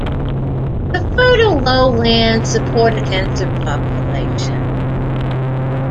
The fertile lowlands support a denser population.